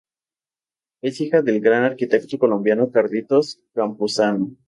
Es hija del gran arquitecto colombiano Carlitos Campuzano.